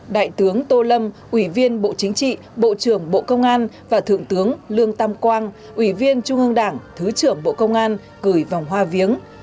đại tướng tô lâm ủy viên bộ chính trị bộ trưởng bộ công an và thượng tướng lương tam quang ủy viên trung ương đảng thứ trưởng bộ công an gửi vòng hoa viếng